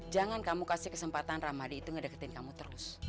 jangan kamu kasih kesempatan ramadi itu ngedeketin kamu terus